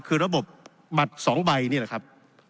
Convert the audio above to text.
คือระบบบัตร๒ใบนี่แหละครับ